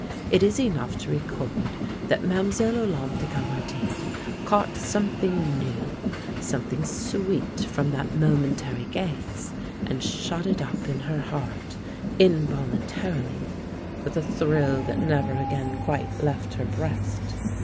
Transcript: It is enough to record that Mlle. Olympe de Caumartin caught something new, something sweet from that momentary gaze, and shut it up in her heart involuntarily, with a thrill that never again quite left her breast.